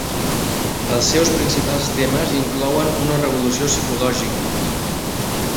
Els seus principals temes inclouen una revolució psicològica.